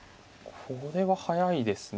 これは速いですね。